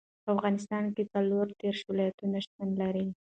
په افغانستان کې څلور دېرش ولایتونه شتون لري.